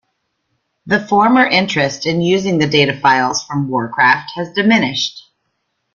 The former interest in using the data files from "WarCraft" had diminished.